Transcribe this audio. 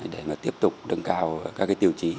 để tiếp tục đâng cao các tiêu chí